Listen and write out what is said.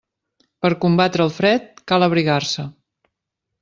Per combatre el fred, cal abrigar-se.